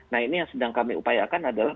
nah ini yang sedang kami upayakan adalah